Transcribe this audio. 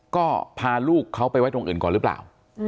ก็พาลูกเขาไปไว้ตรงอื่นก่อนหรือเปล่า